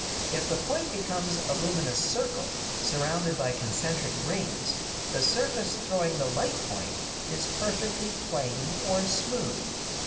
If the point becomes a luminous circle surrounded by concentric rings, the surface throwing the light point is perfectly plane or smooth.